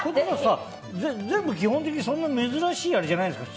全部基本的にそんなに珍しいものじゃないですか。